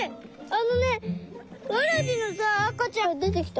あのねワラジのさあかちゃんがでてきた！